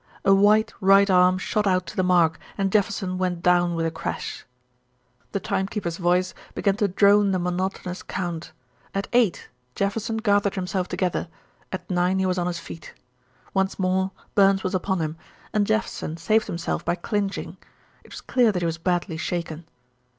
A white right arm shot out to the mark, and Jefferson went down with a crash. The timekeeper's voice began to drone the monotonous count; at eight Jefferson gathered himself together; at nine he was on his feet. Once more Burns was upon him, and Jefferson saved himself by clinching. It was clear that he was badly shaken.